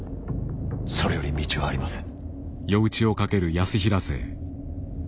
それより道はありません。